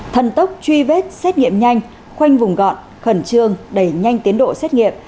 thần tốc truy vết xét nghiệm nhanh khoanh vùng gọn khẩn trương đẩy nhanh tiến độ xét nghiệm